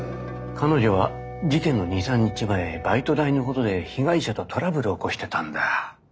彼女は事件の２３日前バイト代のことで被害者とトラブルを起こしてたんだ。